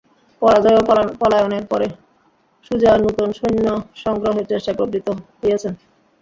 পরাজয় ও পলায়নের পরে সুজা নূতন সৈন্য সংগ্রহের চেষ্টায় প্রবৃত্ত হইয়াছেন।